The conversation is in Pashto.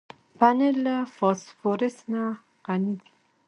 پنېر له فاسفورس نه غني دی.